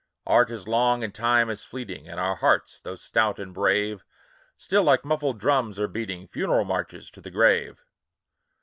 Art is long, and Time is fleeting, And our hearts, though stout and brave, Still, like muffled drums, are beating Funeral marches to the grave.